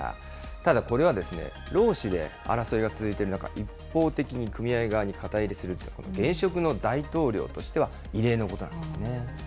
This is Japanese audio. ただ、これは労使で争いが続いてる中、一方的に組合側に肩入れするという、現職の大統領としては異例のことなんですね。